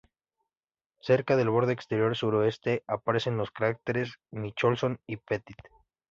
Cerca del borde exterior suroeste aparecen los cráteres Nicholson y Pettit.